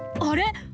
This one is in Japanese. あれ？